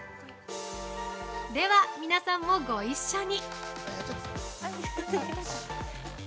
では、皆さんもご一緒に。